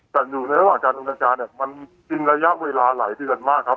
แต่อยู่ในระหว่างการดำเนินการเนี่ยมันกินระยะเวลาหลายเดือนมากครับ